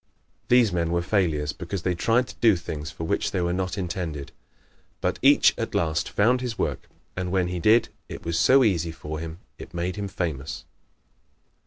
These men were failures because they tried to do things for which they were not intended. But each at last found his work, and when he did, it was so easy for him it made him famous.